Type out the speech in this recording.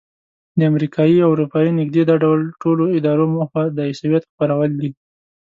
د امریکایي او اروپایي نږدې دا ډول ټولو ادارو موخه د عیسویت خپرول دي.